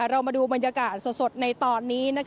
เรามาดูบรรยากาศสดในตอนนี้